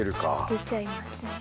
出ちゃいますね。